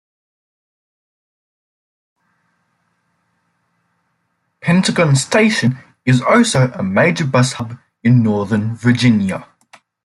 Pentagon station is also a major bus hub in northern Virginia.